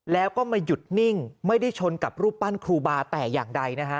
แล้วก็มาหยุดนิ่งไม่ได้ชนกับรูปปั้นครูบาแต่อย่างใดนะฮะ